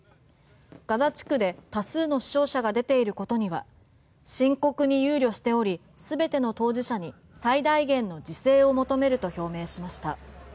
ガザ地区で多数の死傷者が出ていることには深刻に憂慮しており全ての当事者に最大限の自制を求めると表明しました。